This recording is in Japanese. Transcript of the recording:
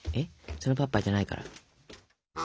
その「パッパ」じゃないから。